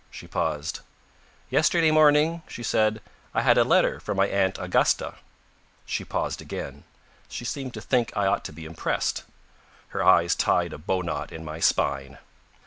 She paused. "Yesterday morning," she said, "I had a letter from my aunt Augusta." She paused again. She seemed to think I ought to be impressed. Her eyes tied a bowknot in my spine.